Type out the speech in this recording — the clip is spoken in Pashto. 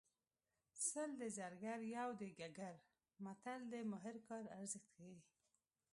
سل د زرګر یو د ګګر متل د ماهر کار ارزښت ښيي